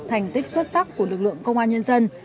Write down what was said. thành tích xuất sắc của lực lượng công an nhân dân